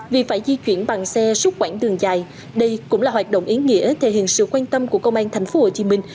vì phải di chuyển bằng xe xúc quãng đường dài đây cũng là hoạt động ý nghĩa thể hiện sự quan tâm của công an thành phố hồ chí minh